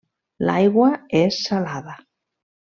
L'aigua és salada.